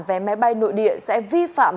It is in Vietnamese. về máy bay nội địa sẽ vi phạm